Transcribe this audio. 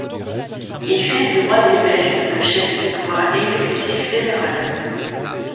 Il fait du Roi des Belges le chef du pouvoir exécutif fédéral.